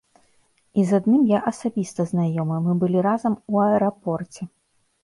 І з адным я асабіста знаёмы, мы былі разам у аэрапорце.